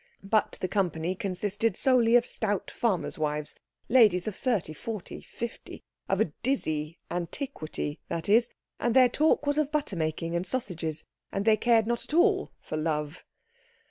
But the company consisted solely of stout farmers' wives, ladies of thirty, forty, fifty of a dizzy antiquity, that is, and their talk was of butter making and sausages, and they cared not at all for Love.